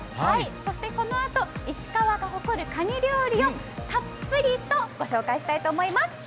そしてこのあと石川県が誇るカニ料理をたっぷりご紹介したいと思います。